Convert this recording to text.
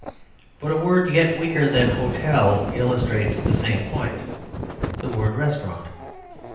But a word yet weaker than "hotel" illustrates the same point the word "restaurant."